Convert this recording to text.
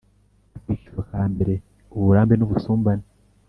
Akiciro kambere Uburambe n ubusumbane